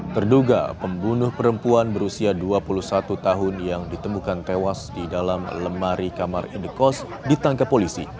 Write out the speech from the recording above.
terduga pembunuh perempuan berusia dua puluh satu tahun yang ditemukan tewas di dalam lemari kamar indekos ditangkap polisi